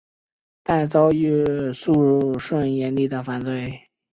但遭遇肃顺严厉的反对。